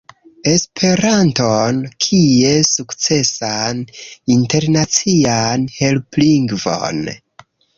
Esperanton kiel sukcesan internacian helplingvon